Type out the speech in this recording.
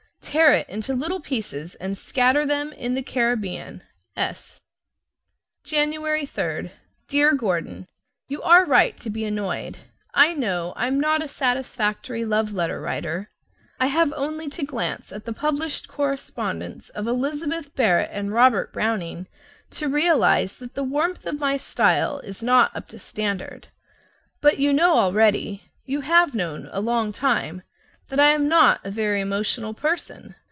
Tear it into little pieces and scatter them in the Caribbean. S. January 3. Dear Gordon: You are right to be annoyed. I know I'm not a satisfactory love letter writer. I have only to glance at the published correspondence of Elizabeth Barrett and Robert Browning to realize that the warmth of my style is not up to standard. But you know already you have known a long time that I am not a very emotional person.